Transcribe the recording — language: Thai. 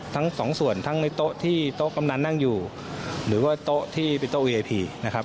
ทั้งสองส่วนทั้งในโต๊ะที่โต๊ะกำนันนั่งอยู่หรือว่าโต๊ะที่เป็นโต๊ะเอพีนะครับ